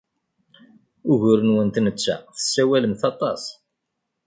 Ugur-nwent netta tessawalemt aṭas.